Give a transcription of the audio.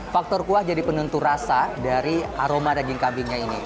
faktor kuah jadi penentu rasa dari aroma daging kambingnya ini